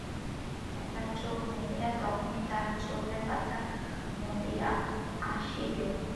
একবার চোখ মেলিয়া তখনই তাহার চোখের পাতা মুদিয়া আসিল।